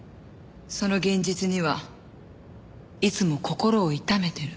その現実にはいつも心を痛めてる。